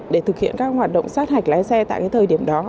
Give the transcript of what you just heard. để thực hiện các hoạt động sát hạch lái xe tại cái thời điểm đó